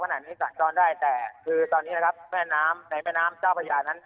ขนาดนี้สัญจรได้แต่คือตอนนี้นะครับแม่น้ำในแม่น้ำเจ้าพระยานั้น